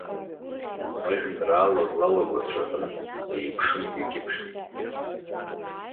Ажәеинраала злалаго ацәаҳәа еиԥшымкәа икьыԥхьуп.